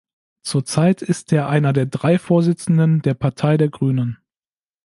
Zurzeit ist er einer der drei Vorsitzenden der Partei der Grünen.